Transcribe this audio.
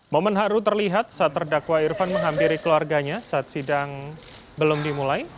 momen haru terlihat saat terdakwa irfan menghampiri keluarganya saat sidang belum dimulai